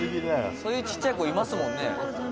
そういうちっちゃい子いますもんね。